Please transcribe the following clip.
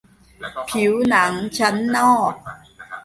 ผิวหนังชั้นนอก